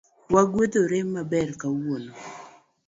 Wagwedhore maber kawuono